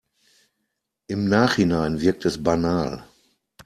Im Nachhinein wirkt es banal.